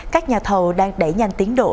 các nhà thầu đang đẩy nhanh tiến độ